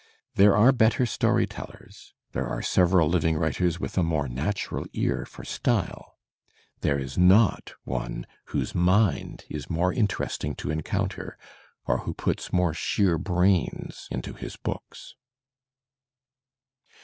There are better story tellers, there are several living writers with a more natural ear for style. There is not one whose mind is more interesting to encounter, or who puts more sheer brains into his books.